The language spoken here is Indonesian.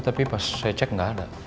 tapi pas saya cek nggak ada